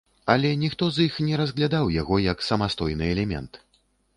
Але ніхто з іх не разглядаў яго як самастойны элемент.